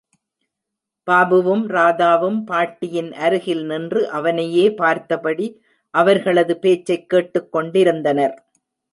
பாபுவும், ராதாவும் பாட்டியின் அருகில் நின்று அவனையே பார்த்தபடி அவர்களது பேச்சைக் கேட்டுக் கொண்டிருந்தனர்.